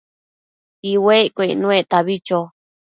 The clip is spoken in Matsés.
iuecquio icnuectabi cho